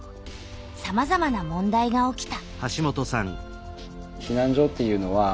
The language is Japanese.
さまざまな問題が起きた。